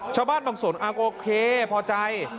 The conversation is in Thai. ชาวบ้านบางส่วนโอเคพอใจ